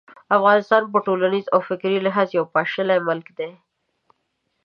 افغانستان په ټولنیز او فکري لحاظ یو پاشلی ملک دی.